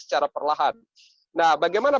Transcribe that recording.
secara perlahan nah bagaimana